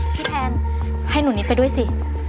แทนให้หนูนิดไปด้วยสิ